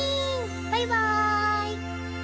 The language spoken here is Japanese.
バイバーイ！